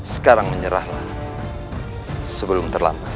sekarang menyerahlah sebelum terlambat